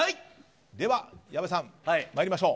では、矢部さん参りましょう。